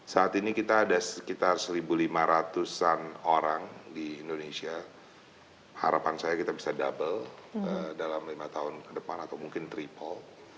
saat ini kita ada sekitar satu lima ratus an orang di indonesia harapan saya kita bisa double dalam lima tahun ke depan atau mungkin triple